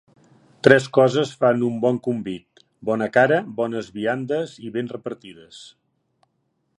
Tres coses fan un bon convit: bona cara, bones viandes i ben repartides.